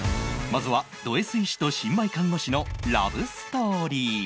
まずはド Ｓ 医師と新米看護師のラブストーリー